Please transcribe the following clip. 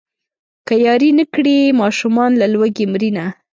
که ياري نه کړي ماشومان له لوږې مرينه.